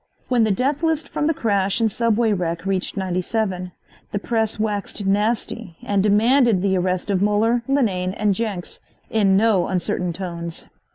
When the death list from the crash and subway wreck reached 97, the press waxed nasty and demanded the arrest of Muller, Linane and Jenks in no uncertain tones.